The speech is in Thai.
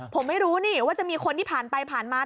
ผมไม่รู้นี่ว่าจะมีคนที่ผ่านไปผ่านมา